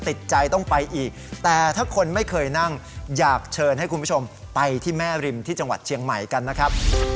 ติดใจต้องไปอีกแต่ถ้าคนไม่เคยนั่งอยากเชิญให้คุณผู้ชมไปที่แม่ริมที่จังหวัดเชียงใหม่กันนะครับ